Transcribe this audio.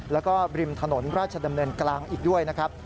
แล้วก็ริมถนนราชดำเนินกลางอีกด้วยนะครับ